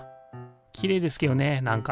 きれいですけどねなんか。